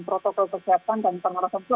protokol persiapan dan pengawasan itu